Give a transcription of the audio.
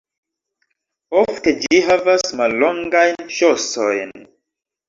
Ofte ĝi havas mallongajn ŝosojn.